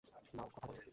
নাও, কথা বলো।